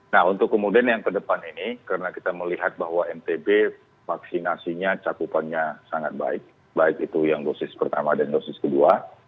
nah untuk kemudian yang ke depan ini karena kita melihat bahwa ntb vaksinasinya cakupannya sangat baik baik itu yang dosis pertama dan dosis kedua